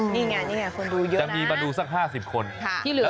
นี่ไงนี่ไงคนดูเยอะจะมีมาดูสัก๕๐คนที่เหลือ